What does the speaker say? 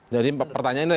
jadi pertanyaannya adalah